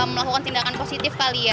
melakukan tindakan positif kali ya